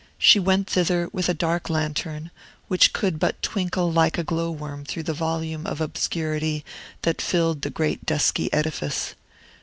She went thither with a dark lantern, which could but twinkle like a glow worm through the volume of obscurity that filled the great dusky edifice.